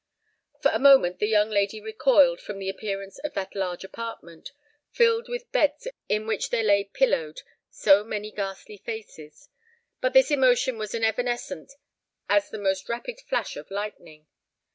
For a moment the young lady recoiled from the appearance of that large apartment, filled with beds in which there lay pillowed so many ghastly faces; but this emotion was as evanescent as the most rapid flash of lightning.